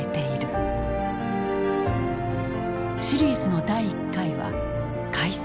シリーズの第１回は「開戦」。